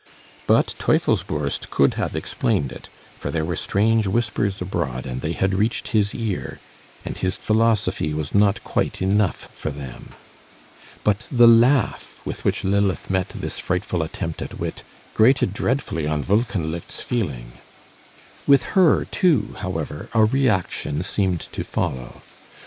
But Teufelsbürst could have explained it, for there were strange whispers abroad, and they had reached his ear; and his philosophy was not quite enough for them. But the laugh with which Lilith met this frightful attempt at wit, grated dreadfully on Wolkenlicht's feeling. With her, too, however, a reaction seemed to follow.